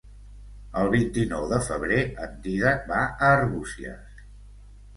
El vint-i-nou de febrer en Dídac va a Arbúcies.